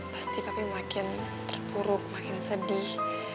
pasti papi makin terburuk makin sedih